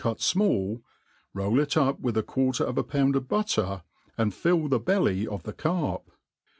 cut fmall, roll it up with a quarter of a pound of butter, and fiU.tbe t>elly of the carp.